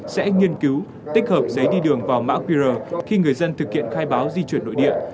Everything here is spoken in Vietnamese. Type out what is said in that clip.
sẽ nghiên cứu tích hợp giấy đi đường vào mã qr khi người dân thực hiện khai báo di chuyển nội địa